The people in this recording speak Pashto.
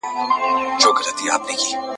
که مي نصیب سوې د وطن خاوري.